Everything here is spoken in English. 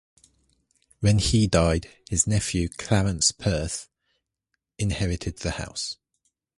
When he died his nephew, Clarence Perth, inherited the house.